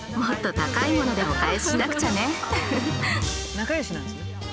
仲よしなんですね。